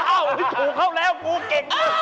อ้าวถูกเข้าแล้วปูเก่ง